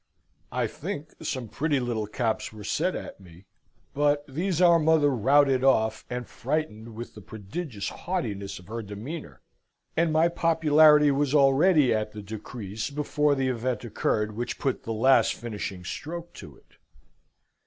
I think some pretty little caps were set at me. But these our mother routed off, and frightened with the prodigious haughtiness of her demeanour; and my popularity was already at the decrease before the event occurred which put the last finishing stroke to it.